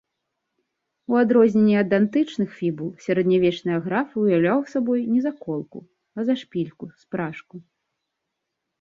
У адрозненне ад антычных фібул, сярэднявечны аграф уяўляў сабой не заколку, а зашпільку, спражку.